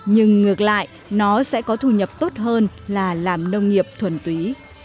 nhưng ngược lại nó sẽ có thu nhập tốt hơn là làm nông nghiệp thuần túy